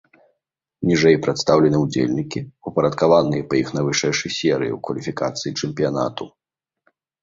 Ніжэй прадстаўлены ўдзельнікі, упарадкаваныя па іх найвышэйшай серыі ў кваліфікацыі чэмпіянату.